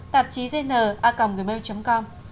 tạp chí dn a còng người mêu chấm com